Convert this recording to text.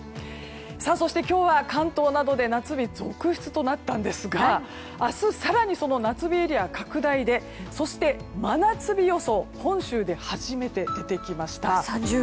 そして今日は関東などで夏日続出となったんですが明日、更に夏日エリアが拡大で真夏日予想が本州で初めて出てきました。